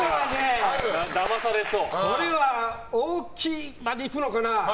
これは大きいまでいくのかな。